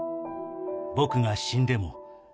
「僕が死んでも」